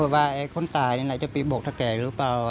ว่าไอ้คนตายนี่แหละจะไปบกทะเกะหรือเปล่า